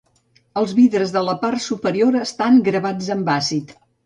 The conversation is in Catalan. Els vidres de la part superior estan gravats amb àcid.